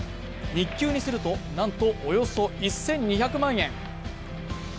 日給にするとなんとおよそ１２００万円。